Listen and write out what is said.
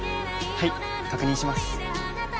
はい確認します